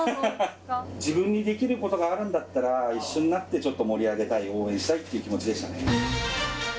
自分にできることがあるんだったら、一緒になって、ちょっと盛り上げたい、応援したいって気持ちでしたね。